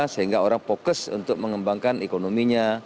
sehingga orang fokus untuk mengembangkan ekonominya